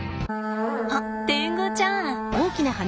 あっテングちゃん。